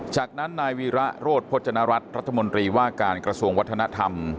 จากนั้นนายวีระโรธพจนรัฐรัฐรัฐมนตรีว่าการกระทรวงวัฒนธรรม